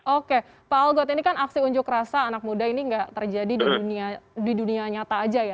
oke pak algot ini kan aksi unjuk rasa anak muda ini nggak terjadi di dunia nyata aja ya